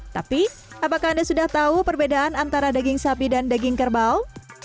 tapi apakah anda sudah tahu perbedaan antara daging sapi dan daging kerbau